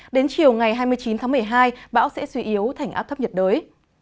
đến chiều ngày hai mươi chín tháng một mươi hai bão sẽ suy yếu thành áp thấp nhiệt đới